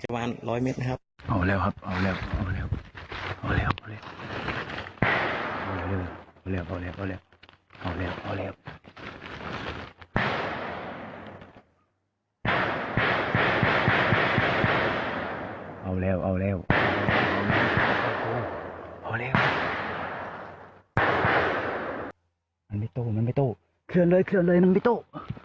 มันมีตู้เคลื่อนเลยมันมีตู้